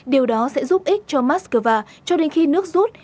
điều đó sẽ giúp ích cho moscow cho đến khi nước rút